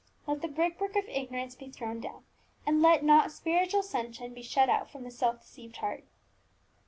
Let the brickwork of ignorance be thrown down, and let not spiritual sunshine be shut out from the self deceived heart.